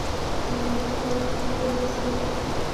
ننګرهار د افغانانو د تفریح یوه وسیله ده.